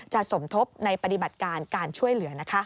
สมทบในปฏิบัติการการช่วยเหลือ